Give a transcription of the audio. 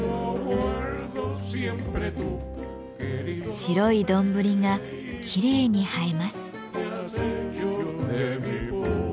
白い丼がきれいに映えます。